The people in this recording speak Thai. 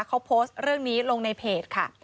เขาโพสต์เรื่องนี้ลงในเพจค่ะ